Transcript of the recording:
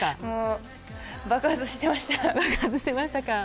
もう爆発してました。